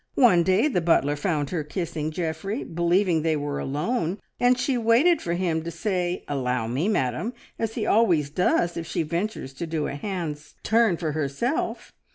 One day the butler found her kissing Geoffrey, believing they were alone, and she waited for him to say, `Allow me, madam!' as he always does if she ventures to do a hand's turn for herself.